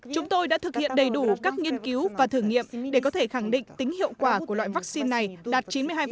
chúng tôi đã thực hiện đầy đủ các nghiên cứu và thử nghiệm để có thể khẳng định tính hiệu quả của loại vaccine này đạt chín mươi hai